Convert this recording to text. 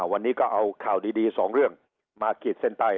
วันนี้ก็เอาข่าวดีสองเรื่องมาขีดเส้นใต้